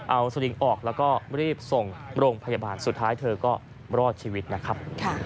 เอาสลิงออกแล้วก็รีบส่งโรงพยาบาลสุดท้ายเธอก็รอดชีวิตนะครับ